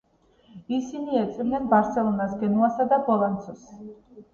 ისინი ეწვივნენ ბარსელონას, გენუასა და ბოლცანოს.